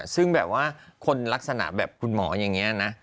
ซึ่งแบบว่าคนลักษณะแบบคุณหมออย่างนี้นะ